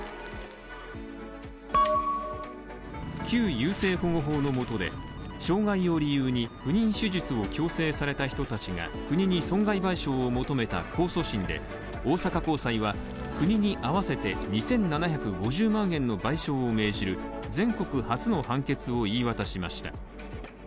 旧優生保護法のもとで障害を理由に不妊手術を強制された人たちが国に損害賠償を求めた控訴審で、大阪高裁は国に合わせて２７５０万円の賠償を命じる全国初の判決を言い渡しました。